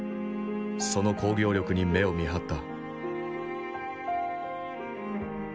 その工業力に目をみはった。